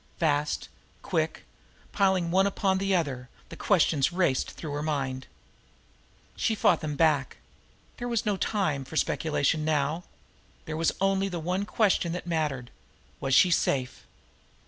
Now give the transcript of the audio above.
Fast, quick, piling one upon the other, the questions raced through her mind. She fought them back. There was no time for speculation now! There was only one question that mattered: Was she safe?